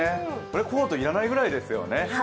コート要らないぐらいですよね。